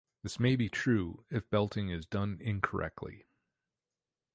This may be true if belting is done incorrectly.